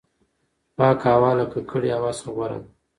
پاکه هوا له ککړې هوا څخه غوره ده.